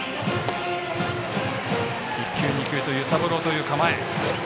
１球、２球と揺さぶろうという構え。